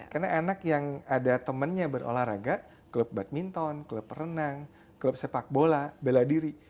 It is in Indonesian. karena anak yang ada temannya berolahraga klub badminton klub renang klub sepak bola bela diri